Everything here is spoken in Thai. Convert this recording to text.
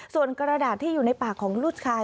ส่วนกระดาษที่อยู่ในปากของลูกชาย